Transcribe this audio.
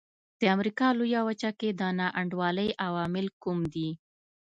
د امریکا لویه وچه کې د نا انډولۍ عوامل کوم دي.